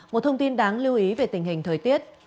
một thông tin đáng lưu ý về tình hình thời tiết